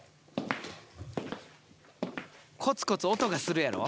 コツコツ音がするやろ？